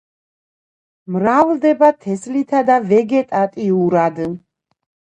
მრავლდება თესლითა და ვეგეტატიურად.